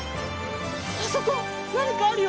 あそこなにかあるよ！